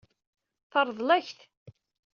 Teṛḍel-ak-t.